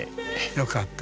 よかった。